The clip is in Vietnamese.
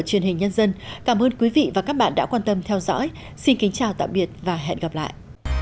cảm ơn quý vị và các bạn đã quan tâm theo dõi xin kính chào tạm biệt và hẹn gặp lại